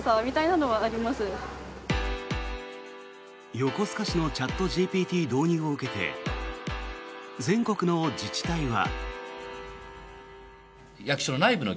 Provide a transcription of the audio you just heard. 横須賀市のチャットＧＰＴ導入を受けて全国の自治体は。